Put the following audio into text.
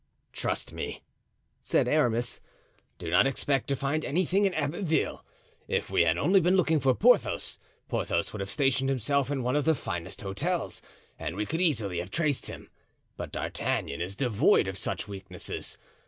"Trust me," said Aramis, "do not expect to find anything in Abbeville. If we had only been looking for Porthos, Porthos would have stationed himself in one of the finest hotels and we could easily have traced him. But D'Artagnan is devoid of such weaknesses.